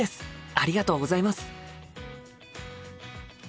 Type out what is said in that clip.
ありがとうございます！